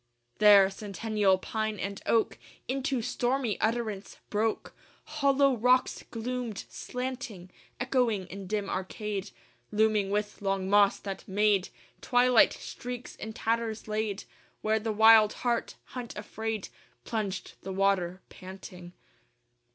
II There centennial pine and oak Into stormy utterance broke: Hollow rocks gloomed, slanting, Echoing in dim arcade, Looming with long moss, that made Twilight streaks in tatters laid: Where the wild hart, hunt affrayed, Plunged the water, panting.